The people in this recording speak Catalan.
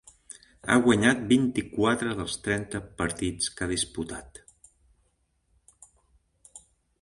Ha guanyat vint-i-quatre dels trenta partits que ha disputat.